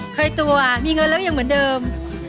เคยตัวมีเงินแล้วยังเหมือนเดิม